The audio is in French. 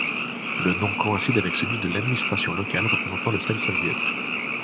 Le nom coïncide avec celui de l'administration locale représentant le selsoviet.